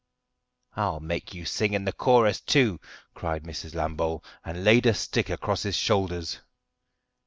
"I'll make you sing in the chorus too!" cried Mrs. Lambole, and laid a stick across his shoulders.